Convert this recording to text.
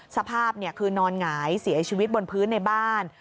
สภาพคือนอนหงายเสียชีวิตบนพื้นในบ้าน